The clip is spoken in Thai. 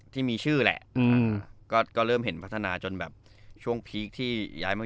ที่มีชื่อแหละอืมก็เริ่มเห็นพัฒนาจนแบบช่วงพีคที่ย้ายมา